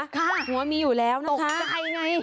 ค่ะหัวมีอยู่แล้วนะคะ